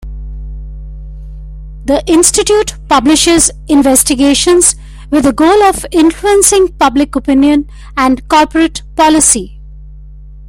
The Institute publishes investigations with the goal of influencing public opinion and corporate policy.